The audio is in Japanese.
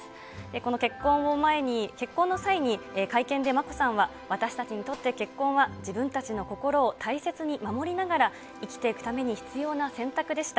この結婚を前に、結婚の際に、会見で眞子さんは、私たちにとって結婚は自分たちの心を大切に守りながら生きていくために必要な選択でした。